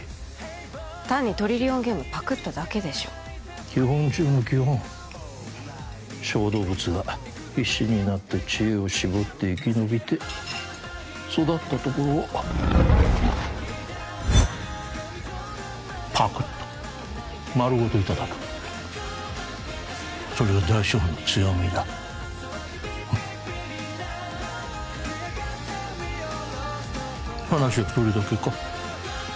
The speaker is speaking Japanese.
単にトリリオンゲームパクっただけでしょ基本中の基本小動物が必死になって知恵を絞って生き延びて育ったところをパクッと丸ごといただくそれが大資本の強みだ話はそれだけか？